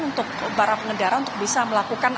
untuk para pengendara untuk bisa melakukan